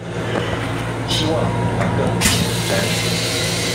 希望讓他更前瞻